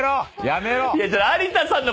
やめろ！